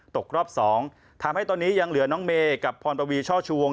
ตกรอบสองทำให้ตอนนี้ยังเหลือน้องเมย์กับพรปวีช่อชูวง